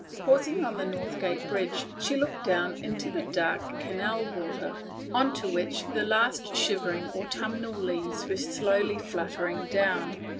Pausing on the North Gate bridge, she looked down into the dark canal water, on to which the last shivering autumnal leaves were slowly fluttering down.